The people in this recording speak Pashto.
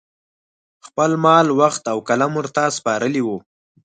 خپل مال، وخت او قلم ورته سپارلي وو